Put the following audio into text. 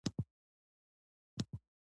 تر هغه مهم د کانټ تحلیل دی.